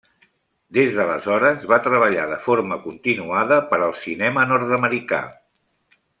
Des d'aleshores, va treballar de forma continuada per al cinema nord-americà.